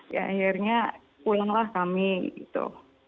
ya akhirnya pulanglah kami gitu